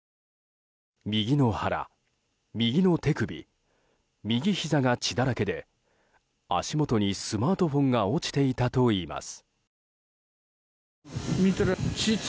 右の腹、右の手首右ひざが血だらけで足元にスマートフォンが落ちていたといいます。